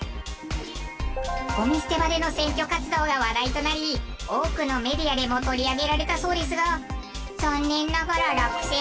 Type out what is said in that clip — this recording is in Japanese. ゴミ捨て場での選挙活動が話題となり多くのメディアでも取り上げられたそうですが残念ながら落選。